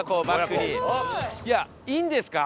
いやいいんですか？